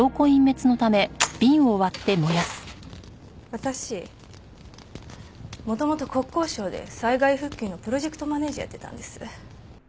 私元々国交省で災害復旧のプロジェクトマネージャーやってたんです。